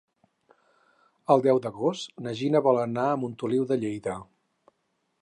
El deu d'agost na Gina vol anar a Montoliu de Lleida.